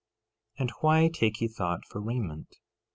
13:28 And why take ye thought for raiment?